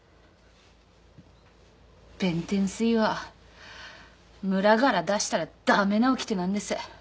弁天水は村から出したら駄目なおきてなんです。